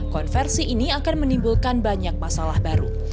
konversi ini akan menimbulkan banyak masalah baru